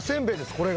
これが。